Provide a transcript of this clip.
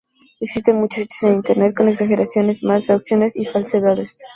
Existen muchos sitios en internet con exageraciones, malas traducciones y falsedades.